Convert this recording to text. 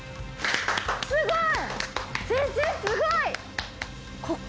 すごい！